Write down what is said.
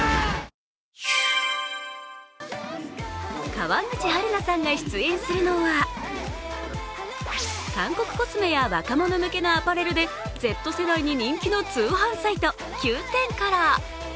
川口春奈さんが出演するのは韓国コスメや若者向けのアパレルでＺ世代に人気の通販サイトＱｏｏ１０から。